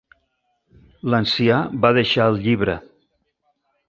L'ancià va deixar el llibre.